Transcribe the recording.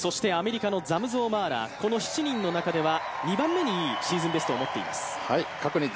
アメリカのザムゾウ・マーラー、この７人の中では２番目にいいシーズンベストを持っています。